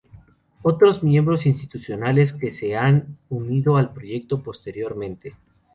Otros miembros institucionales que se han unido al proyecto posteriormente.